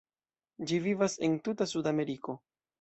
Ĝi vivas en tuta Sudameriko.